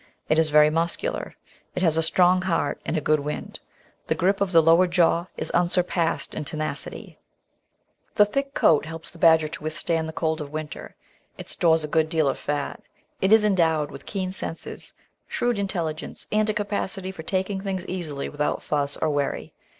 It is very muscular; it has a strong heart and a good wind; the grip of the lower jaw is unsurpassed in tenacity; the thick coat helps the badger to withstand the cold of winter ; it stores a good deal of fat; it is endowed with keen senses, shrewd intel ligence, and a capacity for taking things easily without fuss or worry.